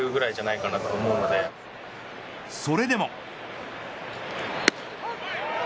それでも。